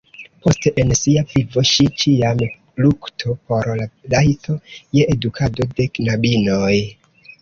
Poste en sia vivo ŝi ĉiam lukto por la rajto je edukado de knabinoj.